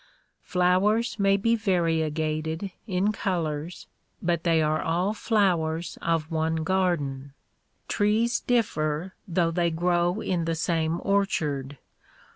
Flowers may be vanegated in colors but they are all flowers of one garden. Trees differ though they grow in the same orchard.